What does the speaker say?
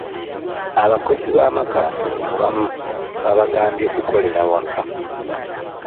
Abakozi b'amakampuni abamu babagambye kukolera waka.